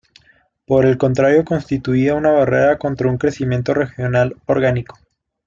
Por el contrario, constituía una barrera contra un crecimiento regional orgánico.